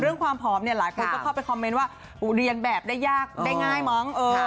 เรื่องความพร้อมหลายคนเข้าไปคอมเมนต์ว่าเรียนแบบได้ยากได้ง่ายมั้ง